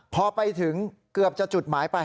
พอไปถึงเกือบจะจุดหมายไป